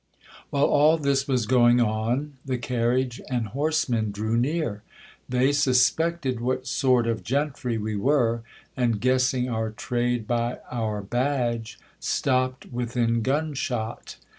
While all this was going on, the carriage and horsemen drew near. They suspected what sort of gentry we were ; and guessing our trade by our badge, stopped within gun shot.